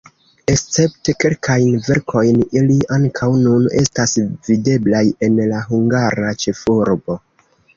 Escepte kelkajn verkojn ili ankaŭ nun estas videblaj en la hungara ĉefurbo.